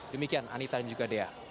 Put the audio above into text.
demikian anita dan juga dea